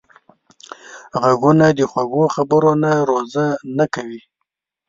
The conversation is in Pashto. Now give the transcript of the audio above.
غوږونه د خوږو خبرو نه روژه نه کوي